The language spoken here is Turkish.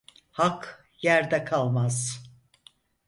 Hak yerde kalmaz.